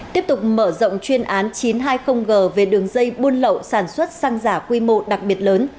tiếp tục mở rộng chuyên án chín trăm hai mươi g về đường dây buôn lậu sản xuất xăng giả quy mô đặc biệt lớn